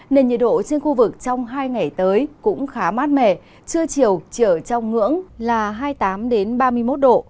nền nhiệt độ trên khu vực trong hai ngày tới cũng khá mát mẻ trưa chiều chỉ ở trong ngưỡng là hai mươi tám ba mươi một độ